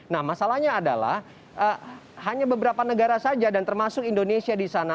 nah masalahnya adalah hanya beberapa negara saja dan termasuk indonesia di sana